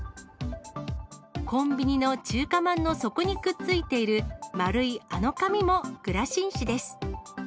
コンビニの中華まんの底にくっついている、丸いあの紙もグラシン紙です。